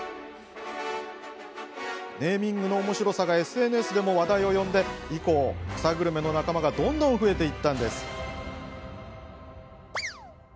ネーミングのおもしろさがＳＮＳでも話題を呼び以降、草グルメの仲間がどんどん増えていったんです。